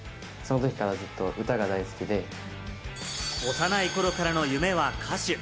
幼い頃からの夢は歌手。